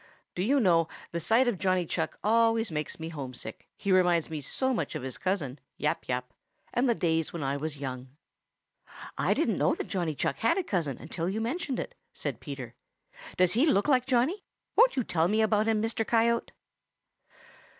Do you know, the sight of Johnny Chuck always makes me homesick, he reminds me so much of his cousin, Yap Yap, and the days when I was young." "I didn't know that Johnny Chuck had a cousin until you mentioned it," said Peter. "Does he look like Johnny? Won't you tell me about him, Mr. Coyote?"